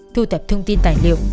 thu tập thông tin tài liệu